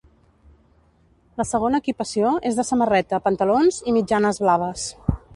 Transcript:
La segona equipació és de samarreta, pantalons i mitjanes blaves.